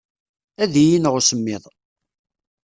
Ad iyi-ineɣ usemmiḍ.